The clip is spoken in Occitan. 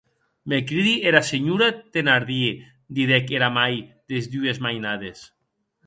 Me cridi era senhora Thenardier, didec era mair des dues mainades.